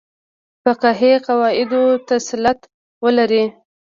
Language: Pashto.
فقهي قواعدو تسلط ولري.